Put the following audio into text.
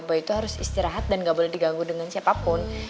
bahwa itu harus istirahat dan nggak boleh diganggu dengan siapapun